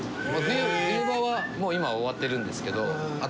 冬場はもう今終わってるんですけど